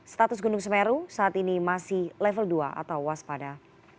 status gunung semeru saat ini masih level dua atau waspada